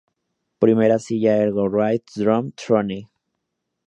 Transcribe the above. Primera Silla Ergo-Rider Drum Throne